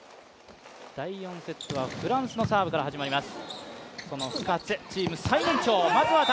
第４セットはフランスのサーブから始まります。